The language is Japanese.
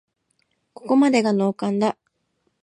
ここまでノーカンだ